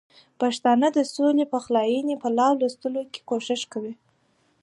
پښتانه د سولې او پخلاینې په راوستلو کې کوښښ کوي.